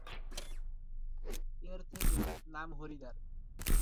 এর থেকে, নাম হরিদ্বার।